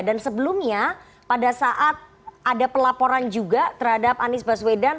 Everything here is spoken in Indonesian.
dan sebelumnya pada saat ada pelaporan juga terhadap anies baswedan